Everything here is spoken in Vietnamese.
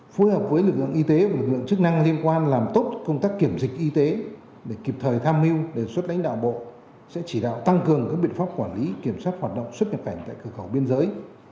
phối hợp với lực lượng y tế và lực lượng chức năng liên quan làm tốt công tác kiểm dịch y tế để kịp thời tham mưu đề xuất đánh đạo bộ sẽ chỉ đạo tăng cường các biện pháp quản lý kiểm soát hoạt động xuất nhập cảnh tại cửa khẩu biên giới